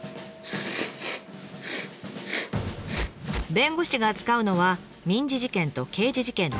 弁護士が扱うのは民事事件と刑事事件の２種類。